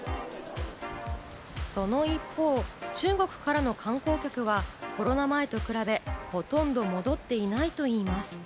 その一方、中国からの観光客はコロナ前と比べ、ほとんど戻っていないと言います。